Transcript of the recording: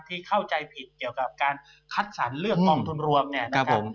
เข้าใจผิดเกี่ยวกับการคัดสรรเลือกกองทุนรวมเนี่ยนะครับผม